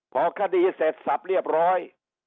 พอคดีเสร็จสับเรียบร้อย